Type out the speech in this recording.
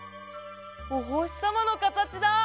おほしさまのかたちだ！